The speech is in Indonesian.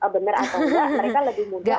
benar atau enggak